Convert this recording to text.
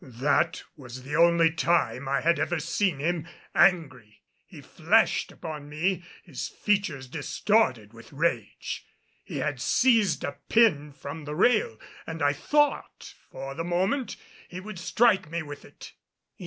That was the only time I had ever seen him angry. He flashed upon me, his features distorted with rage. He had seized a pin from the rail and I thought for the moment he would strike me with it.